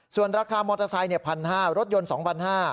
ส่วนราคามอเตอร์ไซค์๑๕๐๐รถยนต์๒๕๐๐บาท